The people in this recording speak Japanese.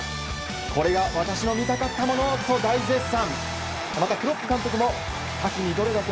これが私の見たかったもの！と大絶賛。